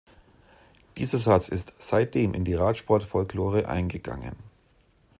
Dieser Satz ist seitdem in die Radsport-Folklore eingegangen.